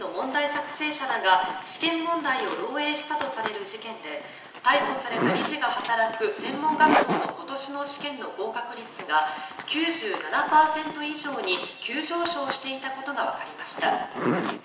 作成者らが試験問題を漏えいしたとされる事件で逮捕された理事が働く専門学校の今年の試験の合格率が９７％以上に急上昇していたことがわかりました。